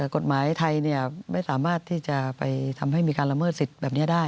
กฎหมายไทยไม่สามารถที่จะไปทำให้มีการละเมิดสิทธิ์แบบนี้ได้